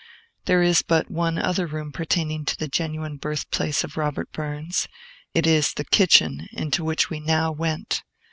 There is but one other room pertaining to the genuine birthplace of Robert Burns: it is the kitchen, into which we now went.